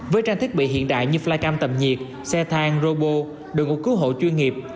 với trang thiết bị hiện đại như flycam tầm nhiệt xe thang robot đồ ngục cứu hộ chuyên nghiệp